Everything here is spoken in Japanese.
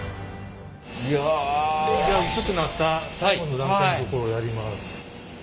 じゃ薄くなった最後の段階のところやります。